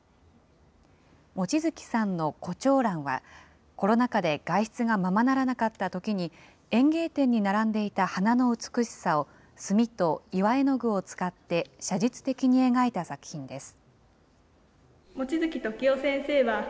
望月さんの胡蝶蘭は、コロナ禍で外出がままならなかったときに、園芸店に並んでいた花の美しさを墨と岩絵具を使って写実的に描いた作品です。